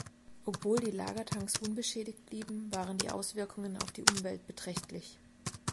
Obwohl die Lagertanks unbeschädigt blieben, waren die Auswirkungen auf die Umwelt beträchtlich.